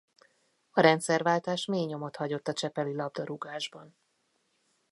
A rendszerváltás mély nyomot hagyott a csepeli labdarúgásban.